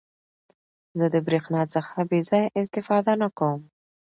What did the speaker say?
زه د برېښنا څخه بې ځایه استفاده نه کوم.